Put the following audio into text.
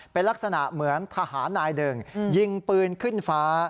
เป็นลักษณะเหมือนทหารนายหนึ่งยิงปืนขึ้นฟ้า